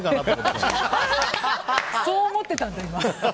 そう思ってたんだ、今。